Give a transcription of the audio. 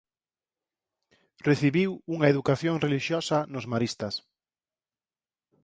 Recibiu unha educación relixiosa nos Maristas.